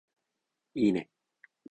いいね